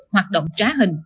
hoạt động trá hình